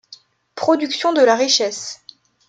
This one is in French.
Production de la richesse.